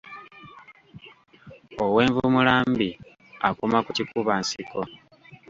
Ow’envumula mbi, akoma ku kikuba nsiko.